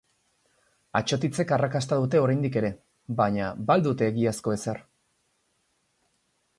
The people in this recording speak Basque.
Atsotitzek arrakasta dute oraindik ere, baina ba al dute egiazko ezer?